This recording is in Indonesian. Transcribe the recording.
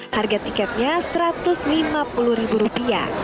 harga tiketnya rp satu ratus lima puluh